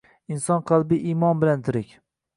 Inson qalbi imon bilan tirik.